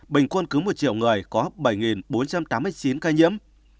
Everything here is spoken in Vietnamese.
bình quân cứ một triệu người có bảy bốn trăm tám mươi chín ca nhiễm